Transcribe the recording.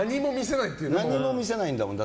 何も見せないんだもん。